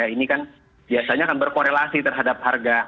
ini kan biasanya akan berkorelasi terhadap harga